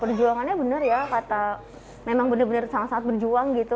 perjuangannya benar ya kata memang benar benar sangat sangat berjuang gitu